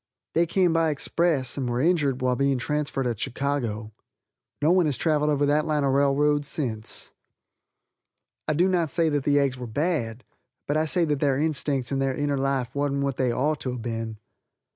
They came by express, and were injured while being transferred at Chicago. No one has travelled over that line of railroad since. I do not say that the eggs were bad, but I say that their instincts and their inner life wasn't what they ort to have been.